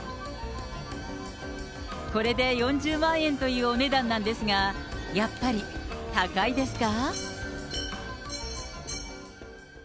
これで４０万円というお値段なんですが、やっぱり高いですか？